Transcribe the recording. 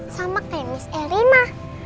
sama kayak miss eri ma